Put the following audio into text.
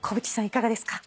いかがですか？